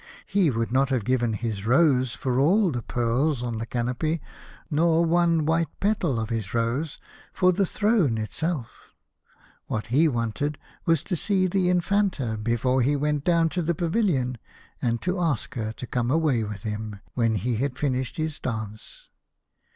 He would not have given his rose for all the pearls on the canopy, nor one white petal of his rose for the throne itself. What he wanted was to see the Infanta before she went down to the pavilion, and to ask her to come away with him when he had finished his dance.